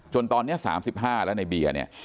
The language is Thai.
จนตอนนี้๓๕แล้วในเบียร์เนี่ย